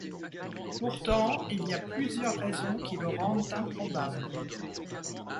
Pourtant, il y a plusieurs raisons qui le rendent improbable.